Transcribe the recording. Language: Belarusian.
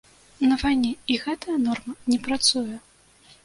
На вайне і гэтая норма не працуе?